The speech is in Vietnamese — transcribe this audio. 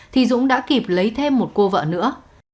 thì dũng đã kịp lấy thêm một cô vợ nữa